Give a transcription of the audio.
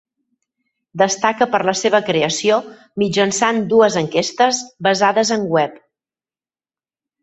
Destaca per la seva creació mitjançant dues enquestes basades en web.